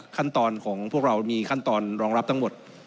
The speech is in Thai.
ขั้นตอนของพวกเรามีขั้นตอนรองรับทั้งหมด